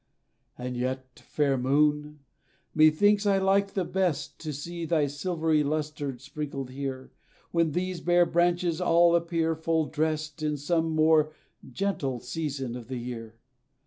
And yet, fair Moon, methinks I like the best To see thy silvery lustre sprinkled here, When these bare branches all appear full dressed, In some more gentle season of the year.